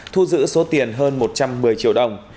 thu giữ số tiền hơn một trăm một mươi triệu đồng